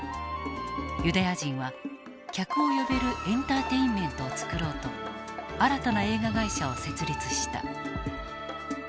ユダヤ人は客を呼べるエンターテインメントを作ろうと新たな映画会社を設立した。